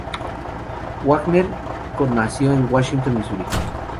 Wagner nació en Washington, Missouri.